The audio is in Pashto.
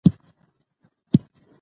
ښوونکي باید انصاف وساتي.